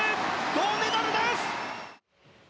銅メダルです！